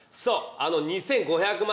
あの２，５００万